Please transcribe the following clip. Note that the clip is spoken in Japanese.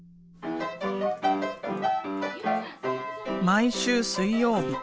毎週水曜日。